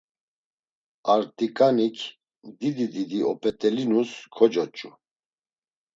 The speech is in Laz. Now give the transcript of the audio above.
Ar t̆iǩanik didi didi op̌et̆elinus kocoç̌u.